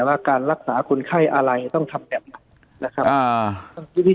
ว่าการรักษาคนไข้อะไรต้องทำแบบไหนนะครับ